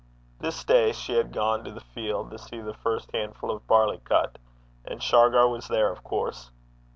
This day she had gone to the field to see the first handful of barley cut, and Shargar was there, of course.